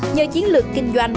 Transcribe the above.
nhờ chiến lược kinh doanh